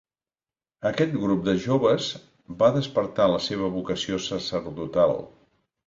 Aquest grup de joves va despertar la seva vocació sacerdotal.